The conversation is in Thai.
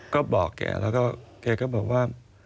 ก็บอกแกแล้วก็แกก็บอกว่า